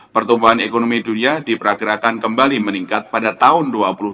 pertumbuhan ekonomi dunia diperkirakan kembali meningkat pada tahun dua ribu dua puluh